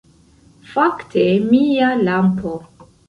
Fakte, mia lampo